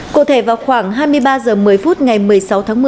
cụ thể vào khoảng hai mươi ba h một mươi phút ngày một mươi sáu tháng một mươi